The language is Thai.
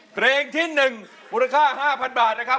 เพลงที่๑มูลค่า๕๐๐บาทนะครับ